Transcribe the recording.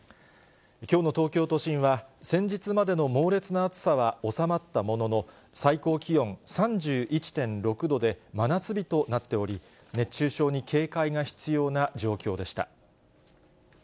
きょうの東京都心は、先日までの猛烈な暑さは収まったものの、最高気温３１．６度で真夏日となっており、熱中症に警戒が必要な状況でした。